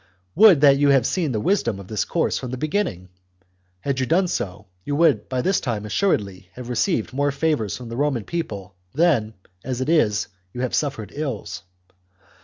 Would that you had seen the wisdom of this course from the beginning ! Had you done so, you would by this time assuredly have received more favours from the Roman people than, as it is, you have suffered ills.